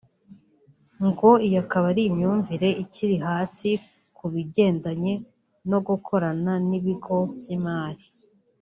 ngo iyo ikaba ari imyumvire ikiri hasi ku bigendanye no gukorana n’ibigo by’imari